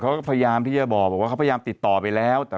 เขาก็พยายามที่จะบอกว่าเขาพยายามติดต่อไปแล้ว